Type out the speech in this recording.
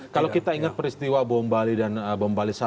kalau kita ingat peristiwa bom bali dan bom bali satu